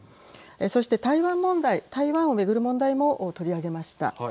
そして台湾問題台湾を巡る問題も取り上げました。